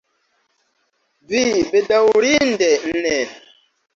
Vi, bedaŭrinde, ne.